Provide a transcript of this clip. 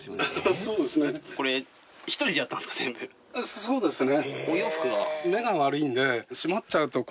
そうですね。